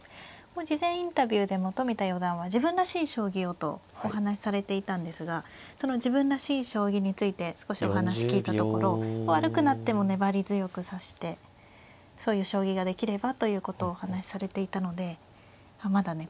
事前インタビューでも冨田四段は自分らしい将棋をとお話しされていたんですがその自分らしい将棋について少しお話聞いたところ悪くなっても粘り強く指してそういう将棋ができればということをお話しされていたのでまだね